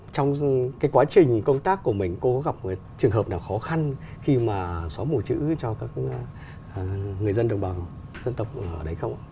trong cái quá trình công tác của mình cô có gặp trường hợp nào khó khăn khi mà xóa một chữ cho các người dân đồng bằng dân tộc ở đấy không ạ